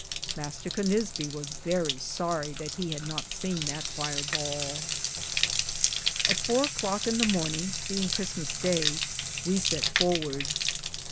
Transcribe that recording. Mr. Conisbe was verrie sorie that he had not sene that fier bale. At 4 a clocke in the morninge, beinge Christmas daye, we Sett forwardes.